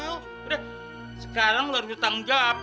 udah sekarang lu harus tanggung jawab